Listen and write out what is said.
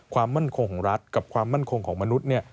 ความมั่นคงของรัฐกับความมั่นคงของมนุษย์